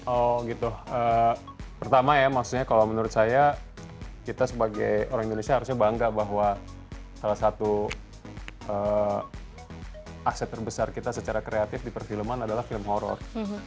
oh gitu pertama ya maksudnya kalau menurut saya kita sebagai orang indonesia harusnya bangga bahwa salah satu aset terbesar kita secara kreatif di perfilman adalah film horror